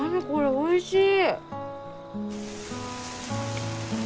おいしい！